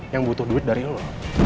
yang butuh duit dari lo